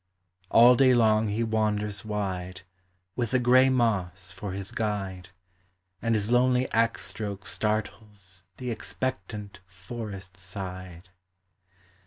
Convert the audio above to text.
All day long he wanders wide With the gray moss for his guide, And his lonely axe stroke startles The expectant forest side.